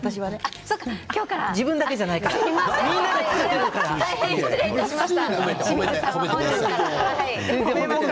自分だけじゃないからね失礼しました。